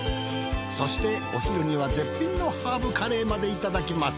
そしてお昼には絶品のハーブカレーまでいただきます。